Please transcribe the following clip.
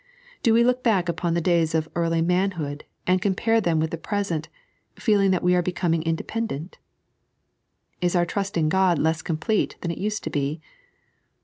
Do we look back upon the days of early manhood and compare them with the present, feeling that we are becoming independent? Is our trust in God less complete than it used to be